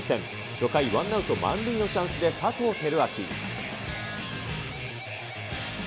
初回、ワンアウト満塁のチャンスで佐藤輝明。